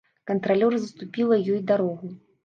Кантралёр заступіла ёй дарогу.